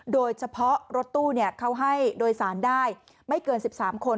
โดยเฉพาะรถตู้เขาให้โดยสารได้ไม่เกิน๑๓คน